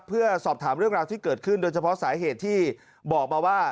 เพื่อสอบถามเรื่องราวที่เกิดขึ้นโดยเฉพาะสาเหตุที่บอกมาว่า